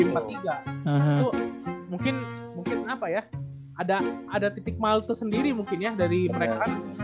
itu mungkin mungkin apa ya ada titik malu tuh sendiri mungkin ya dari mereka